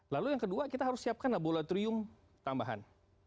lalu yang kedua kita harus siapkan laboratorium tambahan